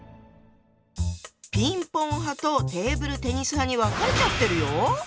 ピンポン派とテーブルテニス派に分かれちゃってるよ。